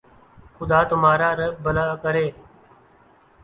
خدا تمہارر بھلا کرے